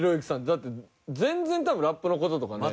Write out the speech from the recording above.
だって全然多分ラップの事とかね。